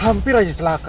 hai hampir aja selaka